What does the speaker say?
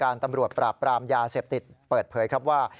ตำรวจปราบปรามยาเสพติดเปิดเผยครับว่า